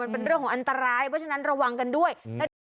เป็นเรื่องของอันตรายเพราะฉะนั้นระวังกันด้วย